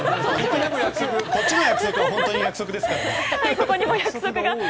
こっちの約束は本当の約束ですから！